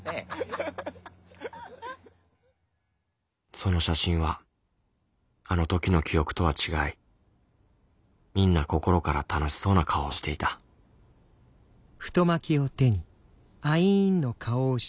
その写真はあの時の記憶とは違いみんな心から楽しそうな顔をしていた武志死んだわ。